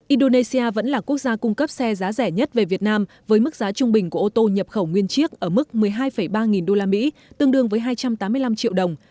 indonesia vẫn là quốc gia cung cấp xe giá rẻ nhất về việt nam với mức giá trung bình của ô tô nhập khẩu nguyên chiếc ở mức một mươi hai ba nghìn đô la mỹ tương đương với hai trăm tám mươi năm triệu đồng